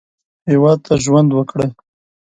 هېواد ته ژوند وکړئ